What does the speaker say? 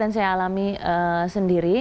dan saya alami sendiri